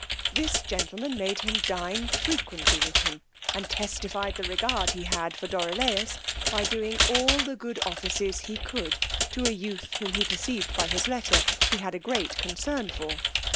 This gentleman made him dine frequently with him, and testified the regard he had for Dorilaus, by doing all the good offices he could to a youth whom he perceived by his letter he had a great concern for.